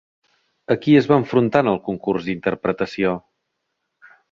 A qui es va enfrontar en el concurs d'interpretació?